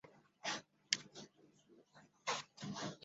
担任临沭县农业局农经中心副主任。